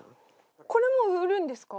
これも売るんですか？